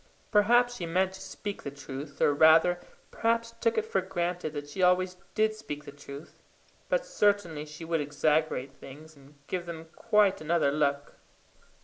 Perhaps she meant to speak the truth, or rather, perhaps took it for granted that she always did speak the truth; but certainly she would exaggerate things, and give them quite another look.